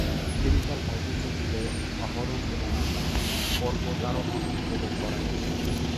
তিনি তার ভাইবোনদের সঙ্গে আরোহণ এবং পর্বতারোহণ উপভোগ করেন।